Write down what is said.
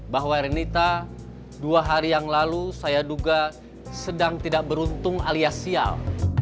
bahwa renita dua hari yang lalu saya duga sedang tidak beruntung alias sial